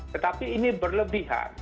tetapi ini berlebihan